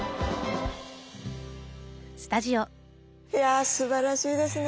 いやすばらしいですね。